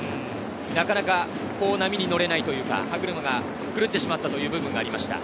なかなか波に乗れないというか歯車が狂ってしまった部分がありました。